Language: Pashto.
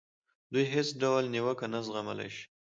دوی هېڅ ډول نیوکه نه زغملای شي.